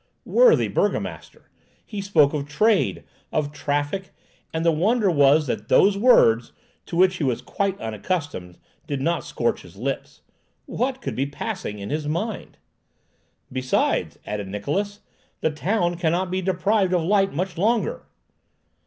Worthy burgomaster! He spoke of trade, of traffic, and the wonder was that those words, to which he was quite unaccustomed, did not scorch his lips. What could be passing in his mind? "Besides," added Niklausse, "the town cannot be deprived of light much longer."